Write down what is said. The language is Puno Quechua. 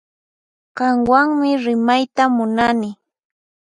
Qanwanmi rimayta munani